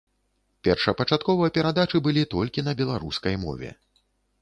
Першапачаткова перадачы былі толькі на беларускай мове.